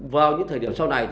vào những thời điểm sau này